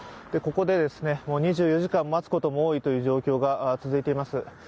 ここで２４時間待つことも多いという状況が続いています。